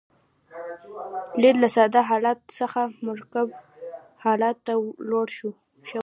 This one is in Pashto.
لید له ساده حالت څخه مرکب حالت ته لوړ شوی.